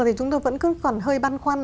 thì chúng ta vẫn cứ còn hơi băn khoăn